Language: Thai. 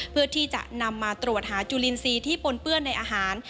เพื่อที่จะนำมาตรวจหาจุลินทรีย์ที่ปนเปื้อนในอาหาร